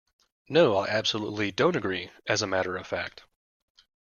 No, I absolutely don't agree, as a matter of fact